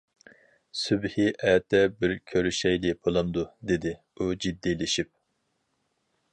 -سۈبھى ئەتە بىر كۆرۈشەيلى بولامدۇ! ؟ -دېدى ئۇ جىددىيلىشىپ.